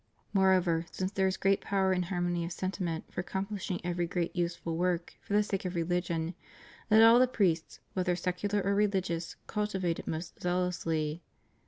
Moreover, since there is great power in harmony of sentiment for accomplishing every great useful work for the sake of reUgion, let all the priests, whether secular or religious, cultivate it most zealously.